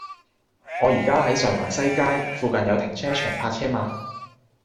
我依家喺上環西街，附近有停車場泊車嗎